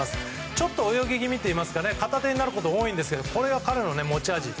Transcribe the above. ちょっと泳ぎ気味というか片手になることが多いんですけどこれが彼の持ち味。